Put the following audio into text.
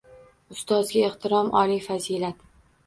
Ustozga ehtirom oliy fazilat